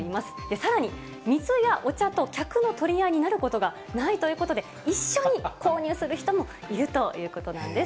さらに、水やお茶と客の取り合いになることがないということで、一緒に購入する人もいるということなんです。